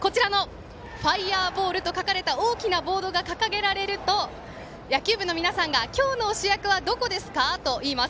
「ＦＩＲＥＢＡＬＬ」と書かれた大きなボールが掲げられると野球部の皆さんが今日の主役はどこですか？と言います。